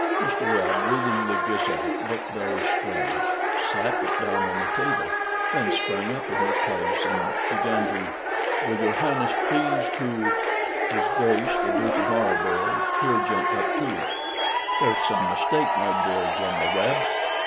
Mr. Webb, reading the Gazette, looked very strange slapped it down on the table then sprang up in his place, and began to "Will your Highness please to " His Grace the Duke of Marlborough here jumped up too "There's some mistake, my dear General Webb."